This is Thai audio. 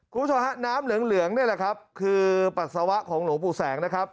คุณผู้ชมฮะน้ำเหลืองเหลืองนี่แหละครับคือปัสสาวะของหลวงปู่แสงนะครับ